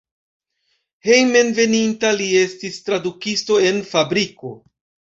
Hejmenveninta li estis tradukisto en fabriko.